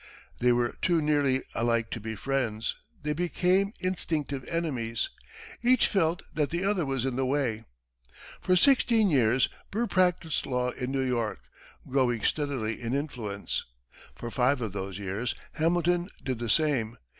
They were too nearly alike to be friends; they became instinctive enemies. Each felt that the other was in the way. For sixteen years, Burr practiced law in New York, growing steadily in influence. For five of those years, Hamilton did the same.